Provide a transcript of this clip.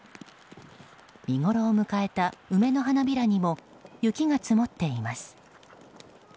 見ごろを迎えた梅の花びらにも雪が積もっています。